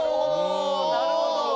・なるほど！